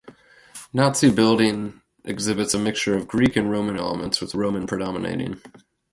Nazi building exhibits a mixture of Greek and Roman elements, with Roman predominating.